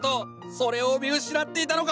それを見失っていたのか！